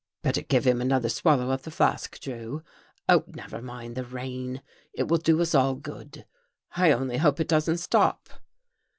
" Better give him another { swallow of the flask. Drew. Oh, never mind the j rain. It will do us all good. I only hope it doesn't , stop."